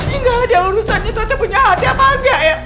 ini gak ada urusannya tante punya hati apa engga ya